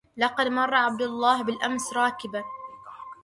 لقد مر عبد الله بالأمس راكبا